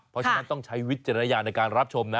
เพราะฉะนั้นต้องใช้วิจารณญาณในการรับชมนะ